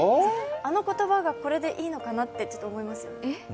あの言葉がこれでいいのかなってちょっと思います。